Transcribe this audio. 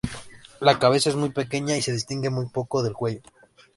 La cabeza es muy pequeña y se distingue muy poco del cuello.